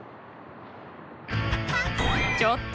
ちょっと！